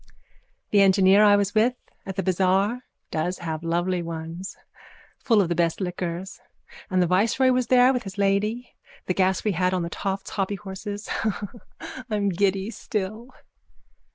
_ The engineer I was with at the bazaar does have lovely ones. Full of the best liqueurs. And the viceroy was there with his lady. The gas we had on the Toft's hobbyhorses. I'm giddy still.